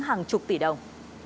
hàng chục tỷ đồng